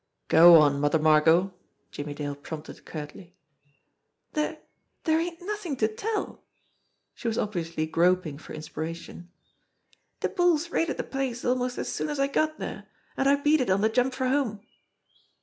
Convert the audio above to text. "Go on, Mother Margot !" Jimmie Dale prompted curtly. "Dere dere ain't nothin' to tell." She was obviously groping for inspiration. "De bulls raided de place almost as soon as I got dere, an' I beat it on de jump for home."